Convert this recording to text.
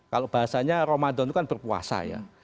kalau bahasanya ramadan itu kan berpuasa ya